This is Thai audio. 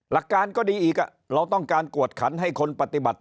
หลักการก็ดีอีกเราต้องการกวดขันให้คนปฏิบัติ